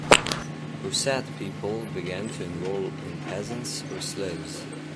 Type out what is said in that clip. Posad people began to enroll in Peasants or slaves.